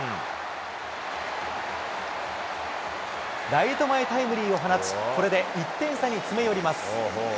ライト前タイムリーを放ち、これで１点差に詰め寄ります。